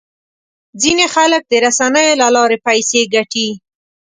ځینې خلک د رسنیو له لارې پیسې ګټي.